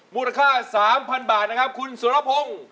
มูลค่า๓๐๐๐บาทนะครับคุณสุรพงศ์